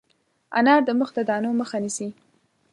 انار د مخ د دانو مخه نیسي.